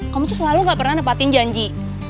kamu tuh selalu gak pernah nepatin janji